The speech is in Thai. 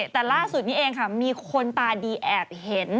แต่ล่าสุดนี้เองค่ะมีคนตาดีแอบเห็น